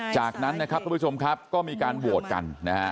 จากนั้นนะครับท่านผู้ชมมีการโวทธ์กัน